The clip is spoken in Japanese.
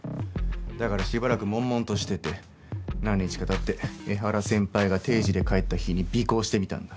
だからしばらく悶々としてて何日か経って江原先輩が定時で帰った日に尾行してみたんだ。